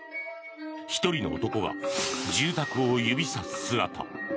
１人の男が住宅を指さす姿。